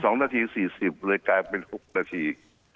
๒นาที๔๐เลยกลายเป็น๖นาที